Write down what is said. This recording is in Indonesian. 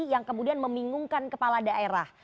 yang kemudian membingungkan kepala daerah